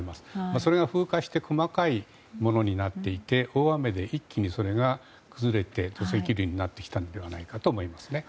それが風化して細かいものになっていて大雨で一気にそれが崩れて土石流になってきたのではないかと思いますね。